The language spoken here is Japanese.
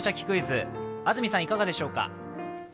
クイズ」、安住さんいかがでしょうか。